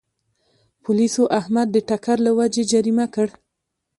پولیسو احمد د ټکر له وجې جریمه کړ.